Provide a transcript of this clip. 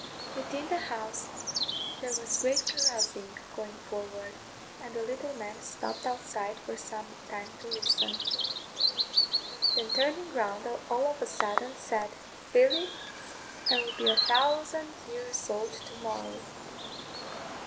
Within the house there was great carousing going forward, and the little man stopped outside for some time to listen; then turning round all of a sudden, said, "Billy, I will be a thousand years old to morrow!"